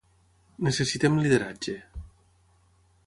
Necessitem lideratge.